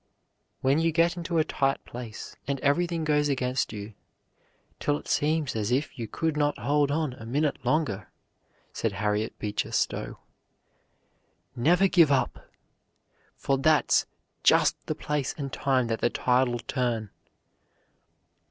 "When you get into a tight place and everything goes against you, till it seems as if you could not hold on a minute longer," said Harriet Beecher Stowe, "never give up then, for that's just the place and time that the tide'll turn."